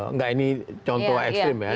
enggak ini contoh ekstrim ya